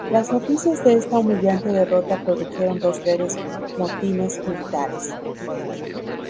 Las noticias de esta humillante derrota produjeron dos breves motines militares.